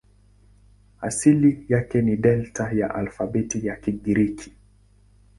Asili yake ni Delta ya alfabeti ya Kigiriki.